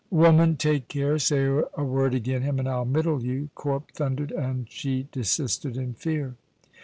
"Woman, take care; say a word agin him and I'll mittle you!" Corp thundered, and she desisted in fear.